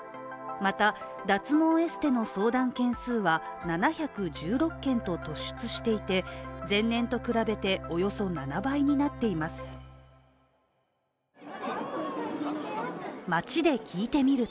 また、脱毛エステの相談件数は７１６件と突出していて、前年と比べておよそ７倍になっています。